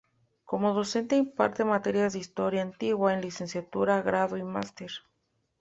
Como docente imparte materias de Historia Antigua en Licenciatura, Grado y Máster.